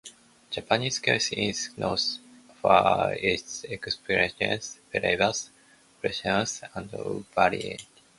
Japanese cuisine is known for its exquisite flavors, presentation, and variety.